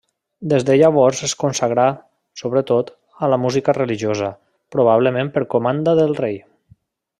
Des de llavors es consagra, sobretot, a la música religiosa, probablement per comanda del rei.